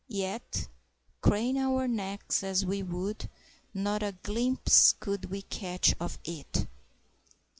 Yet, crane our necks as we would, not a glimpse could we catch of "it."